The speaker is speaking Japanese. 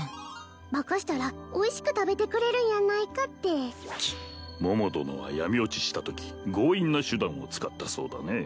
化かしたらおいしく食べてくれるんやないかって桃殿は闇堕ちしたとき強引な手段を使ったそうだね